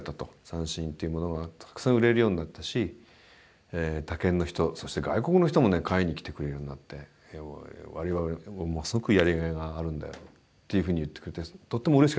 「三線っていうものがたくさん売れるようになったし他県の人そして外国の人もね買いに来てくれるようになって我々もすごくやりがいがあるんだよ」っていうふうに言ってくれてとってもうれしかったんですね。